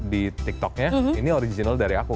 di tiktoknya ini original dari aku